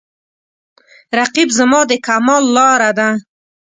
رقیب زما د کمال لاره ده